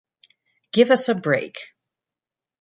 Give us a break.